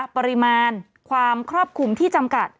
ปริมาณความครอบคลุมที่จำกัด